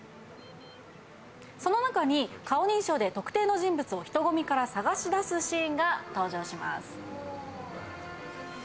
その中に顔認証で特定の人物を人混みから捜し出すシーンが登場します。